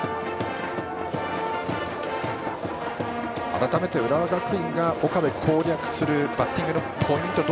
改めて浦和学院が岡部を攻略するバッティングのポイントは